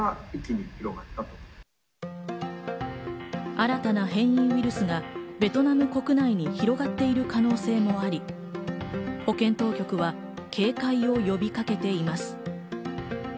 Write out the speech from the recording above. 新たな変異ウイルスがベトナム国内で広がっている可能性もあり、保健当局は警戒を呼びかけています。